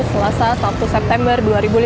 selasa satu september dua ribu lima belas